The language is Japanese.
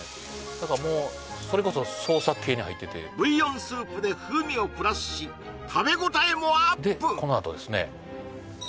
何かもうそれこそ創作系に入っててブイヨンスープで風味をプラスし食べ応えもアップでこのあとですね